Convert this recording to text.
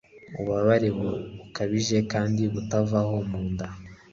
Ububabare bukabije kandi butavaho mu nda